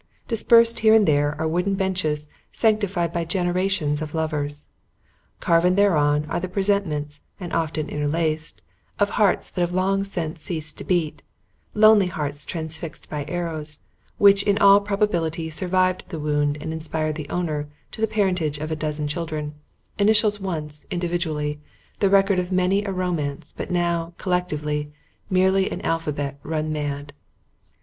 Dispersed here and there are wooden benches sanctified by generations of lovers. Carven thereon are the presentments, often interlaced, of hearts that have long since ceased to beat; lonely hearts transfixed by arrows, which in all probability survived the wound and inspired the owner to the parentage of a dozen children; initials once, individually, the record of many a romance, but now, collectively, merely an alphabet run mad.